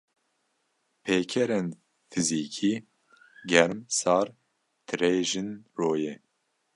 Pêkerên fizikî: Germ, sar, tirêjin royê